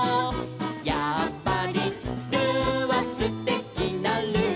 「やっぱりルーはすてきなルー」